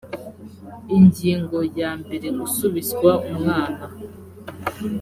ingingo ya mbere gusubizwa umwana